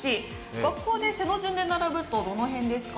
学校で背の順で並ぶとどの辺ですか？